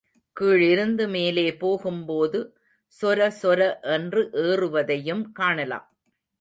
கீழிருந்து மேலே போகும்போது சொரசொர என்று ஏறுவதையும் காணலாம்.